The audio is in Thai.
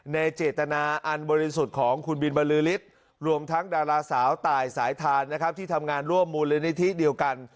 ในเจตนาอันบริสุทธิ์ของคุณบินบรือฤทธิ์รวมทั้งดาราสาวตายสายทานนะครับที่ทำงานร่วมมูลนิธิเดียวกัน